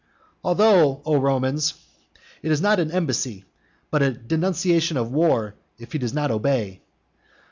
although, O Romans, it is not an embassy, but a denunciation of war if he does not obey.